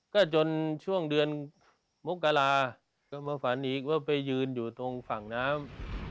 ก็จนช่วงเดือนมกราก็มาฝันอีกว่าไปยืนอยู่ตรงฝั่งน้ำ